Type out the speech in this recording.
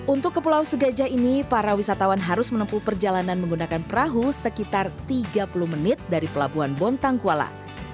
untuk ke pulau segajah ini para wisatawan harus menempuh perjalanan menggunakan perahu sekitar tiga puluh menit dari pelabuhan bontang kuala